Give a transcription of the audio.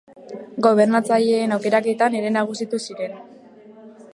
Gobernatzaileen aukeraketan ere nagusitu ziren.